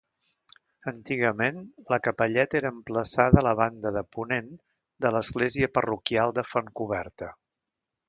Antigament, la capelleta era emplaçada a la banda de ponent de l'església parroquial de Fontcoberta.